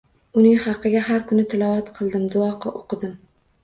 Uning haqiga har kun tilovat qildim, duo o'qidim.